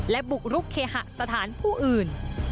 และบุกรุกเคหสถานผู้อื่น